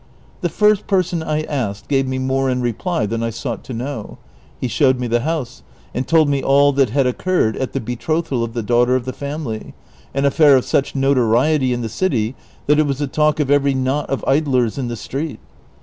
The first person I asked gave me more in reply than I sought to know ; he showed me the house, and told me all that had occurred at the betrothal of the daughter of the family, an affair of such notoriety in the city that it was the talk of every knot of idlers in the street.